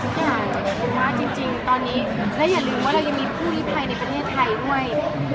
ทุกอย่างผมว่าจริงตอนนี้และอย่าลืมว่าเรายังมีผู้รีภัยในประเทศไทยด้วย